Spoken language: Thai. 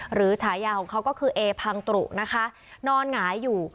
ฉายาของเขาก็คือเอพังตรุนะคะนอนหงายอยู่